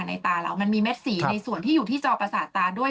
ตาเรามันมีเม็ดสีในส่วนที่อยู่ที่จอประสาทตาด้วย